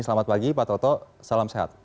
selamat pagi pak toto salam sehat